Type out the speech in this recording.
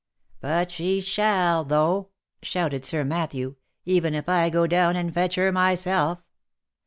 " But she shall, though !" shouted Sir Matthew, " even if I go down, and fetch her myself.